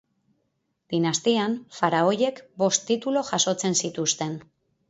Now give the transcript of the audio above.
Dinastian, faraoiek bost titulu jasotzen zituzten.